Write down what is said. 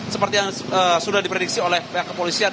seperti yang sudah diprediksi oleh pihak kepolisian